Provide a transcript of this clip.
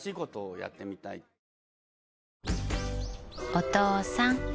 お父さん。